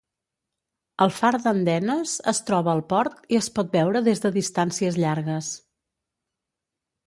El far d'Andenes es troba al port i es pot veure des de distàncies llargues.